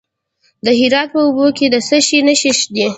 د هرات په اوبې کې د څه شي نښې دي؟